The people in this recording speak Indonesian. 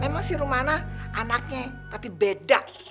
emang si rumana anaknya tapi beda